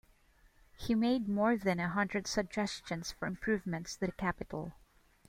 He made more than a hundred suggestions for improvements to the capital.